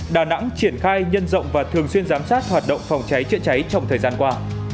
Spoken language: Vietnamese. đà nẵng triển khai nhân rộng và thường xuyên giám sát hoạt động phòng cháy chữa cháy trong thời gian qua